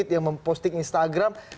yang memposting instagram